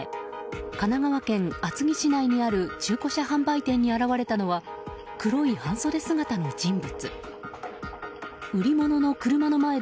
神奈川県厚木市にある中古車販売店に現れたのは黒い半袖姿の人物。